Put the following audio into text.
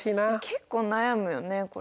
結構悩むよねこれ。